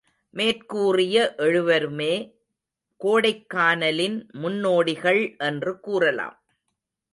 மேற்கூறிய எழுவருமே கோடைக்கானலின் முன்னோடிகள் என்று கூறலாம்.